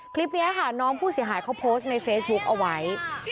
คลิปนี้ค่ะน้องผู้เสียหายเขาโพสต์ในเฟซบุ๊คเอาไว้